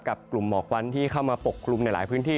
กลุ่มหมอกควันที่เข้ามาปกคลุมในหลายพื้นที่